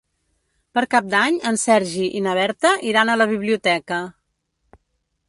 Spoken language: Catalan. Per Cap d'Any en Sergi i na Berta iran a la biblioteca.